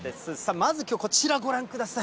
まずきょう、こちらご覧ください。